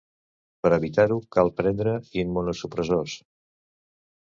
Per evitar-ho cal prendre immunosupressors.